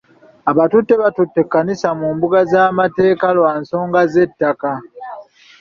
Abatuuze batutte ekkanisa mu mbuga z'amateeka lwa nsonga z'ettaka.